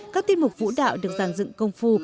các tiết mục vũ đạo được giàn dựng công phu